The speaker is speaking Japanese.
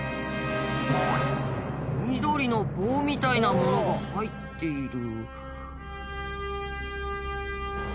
緑の棒みたいなものが入っている？